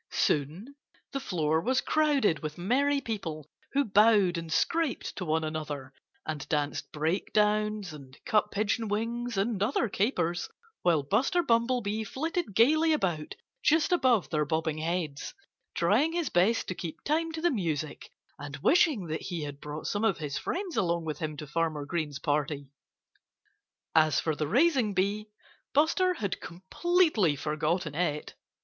Soon the floor was crowded with merry people who bowed and scraped to one another and danced breakdowns and cut pigeon wings and other capers, while Buster Bumblebee flitted gaily about just above their bobbing heads, trying his best to keep time to the music and wishing that he had brought some of his friends along with him to Farmer Green's party. As for the raising bee, Buster had completely forgotten it.